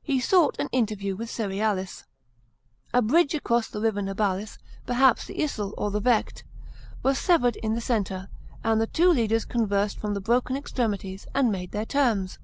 He sought an inter view with Cerealis A bridge across the river Nabalia — perhaps the Yssel or the Vecht — was severed in the centre, and the two leaders conversed from the broken extremities, and made their terms.